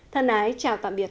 thân ái chào tạm biệt